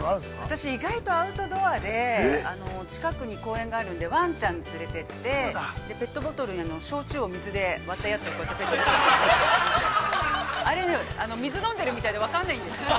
◆私、意外とアウトドアで近くに公園があるんでワンちゃん連れてってペットボトルに焼酎を水で割ったやつをこうやってあれね、水飲んでるみたいで分かんないんですよ。